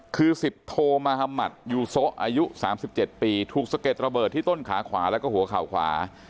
คือ๑๐โทมหามัตยูโซะอายุ๓๗ปีถูกสะเก็ดระเบิดที่ต้นขาขวาแล้วก็หัวเข่าขวา